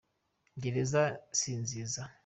gereza sinziza